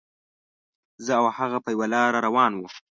زه او هغه په یوه لاره روان وو.